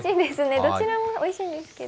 どちらもおいしいんですけど。